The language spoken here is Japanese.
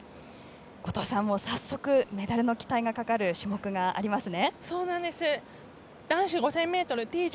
後藤さん、早速メダルの期待がかかる種目がありますね。